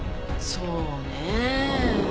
そうねえ。